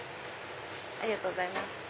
ありがとうございます。